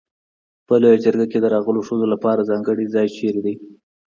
په لویه جرګه کي د راغلو ښځو لپاره ځانګړی ځای چېرته دی؟